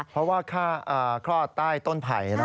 เพราะว่าคลอดใต้ต้นไผ่